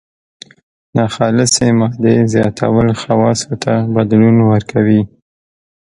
ناخالصې مادې زیاتول خواصو ته بدلون ورکوي.